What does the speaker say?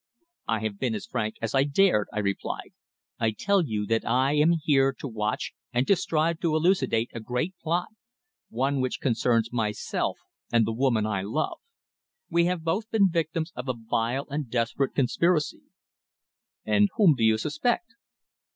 "I have been as frank as I dared," I replied. "I tell you that I am here to watch and to strive to elucidate a great plot one which concerns myself and the woman I love. We have both been victims of a vile and desperate conspiracy." "And whom do you suspect?"